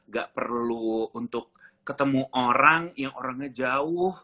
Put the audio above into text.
gak perlu untuk ketemu orang yang orangnya jauh